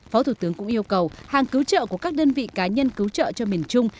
phó thủ tướng cũng yêu cầu hàng cứu trợ của các đơn vị cá nhân cứu trợ cho miền trung